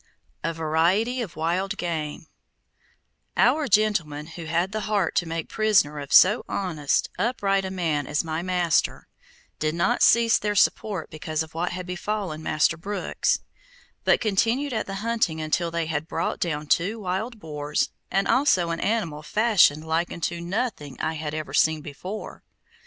A VARIETY OF WILD GAME Our gentlemen who had the heart to make prisoner of so honest, upright a man as my master, did not cease their sport because of what had befallen Master Brookes, but continued at the hunting until they had brought down two wild boars and also an animal fashioned like unto nothing I had ever seen before.